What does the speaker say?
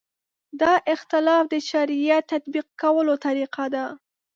دا اختلاف د شریعت تطبیقولو طریقه ده.